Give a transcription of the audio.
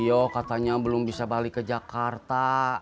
ya katanya belum bisa balik ke jakarta